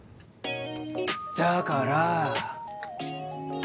だからー